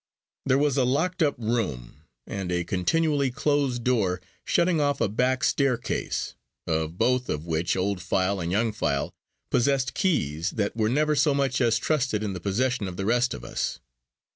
There was a locked up room, and a continually closed door shutting off a back staircase, of both of which Old File and Young File possessed keys that were never so much as trusted in the possession of the rest of us.